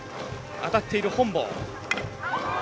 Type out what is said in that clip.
当たっている本坊。